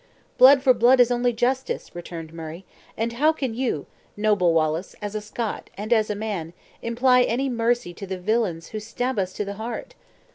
"Blood for blood is only justice!" returned Murray; "and how can you, noble Wallace, as a Scot, and as a man, imply any mercy to the villains who stab us to the heart?"